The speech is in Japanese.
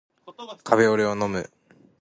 カフェオレを飲む